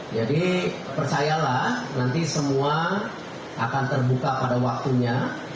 jadi percayalah nanti semua akan terbuka pada waktunya